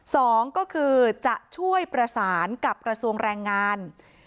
สองก็คือจะช่วยประสานกับกระทรวงแรงงาน